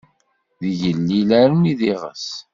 D igellil armi d iɣes.